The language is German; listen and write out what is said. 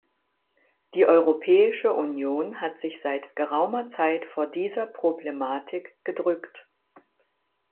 Die Europäische Union hat sich seit geraumer Zeit vor dieser Problematik gedrückt.